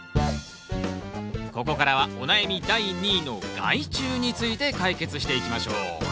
ここからはお悩み第２位の害虫について解決していきましょう